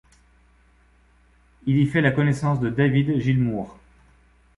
Il y fait la connaissance de David Gilmour.